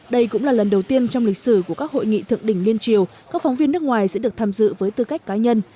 đây cũng là lần đầu tiên trong lịch sử của các hội nghị thượng đỉnh liên triều các phóng viên nước ngoài sẽ được tham dự với tư cách cá nhân